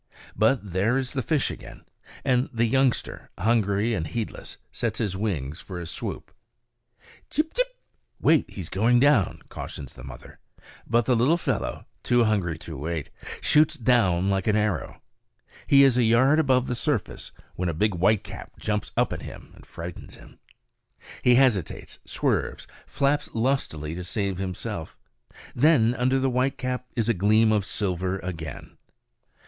But there is the fish again, and the youngster, hungry and heedless, sets his wings for a swoop. Chip, chip! "wait, he's going down," cautions the mother; but the little fellow, too hungry to wait, shoots down like an arrow. He is a yard above the surface when a big whitecap jumps up at him and frightens him. He hesitates, swerves, flaps lustily to save himself. Then under the whitecap is a gleam of silver again.